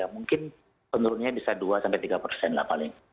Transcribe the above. mungkin penurunannya bisa dua tiga persen lah paling